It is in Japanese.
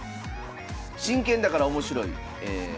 「真剣だから面白い！